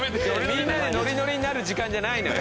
みんなでノリノリになる時間じゃないのよ。